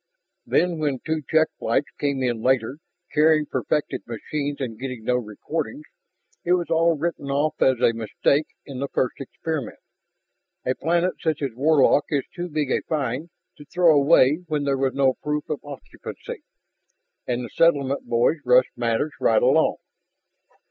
"Then when two check flights came in later, carrying perfected machines and getting no recordings, it was all written off as a mistake in the first experiment. A planet such as Warlock is too big a find to throw away when there was no proof of occupancy. And the settlement boys rushed matters right along."